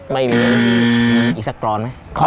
ไม่มีอีกสักกรอนไหม